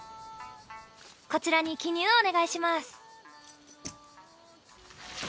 こちらに記入お願いします。